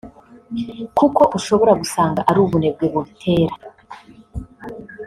kuko ushobora gusanga ari ubunebwe bubitera